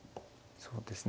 そうなんですね。